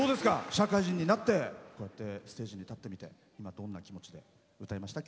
社会人になってこうやってステージに立ってみて今、どんな気持ちで歌いました？